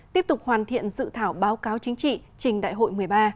tiếp tục hoàn thiện dự thảo báo cáo chính trị trình đại hội một mươi ba